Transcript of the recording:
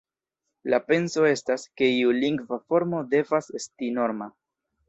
La penso estas, ke iu lingva formo devas esti norma.